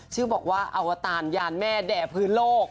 บอกว่าอวตารยานแม่แด่พื้นโลก